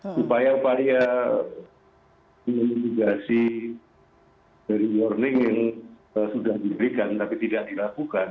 supaya upaya mitigasi dari warning yang sudah diberikan tapi tidak dilakukan